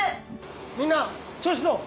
・みんな調子どう？